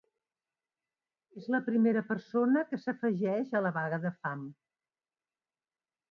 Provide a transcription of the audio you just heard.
És la primera persona que s’afegeix a la vaga de fam.